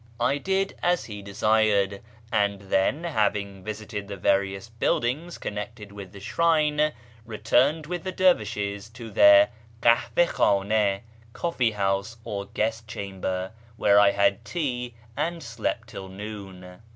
I did as he desired, and then, having visited tlie various buildings connected with the shrine, returned with the flervishes to their kahvd khdn^ (" coffee house " or guest chamber), where I had tea and slept till noon.